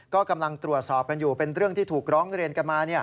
ก็กำลังตรวจสอบกันอยู่เป็นเรื่องที่ถูกร้องเรียนกันมา